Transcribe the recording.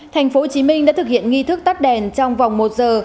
tp hcm đã thực hiện nghi thức tắt đèn trong vòng một giờ